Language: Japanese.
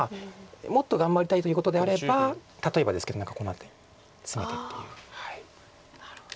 もっと頑張りたいということであれば例えばですけど何かこの辺りツメてっていう。なるほど。